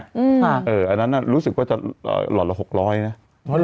อันนั้นรู้สึกว่าจะหล่อนละ๖๐๐นะ